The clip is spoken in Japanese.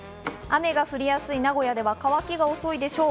雨が降りやすい名古屋では乾きが遅いでしょう。